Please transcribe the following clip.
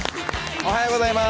おはようございます。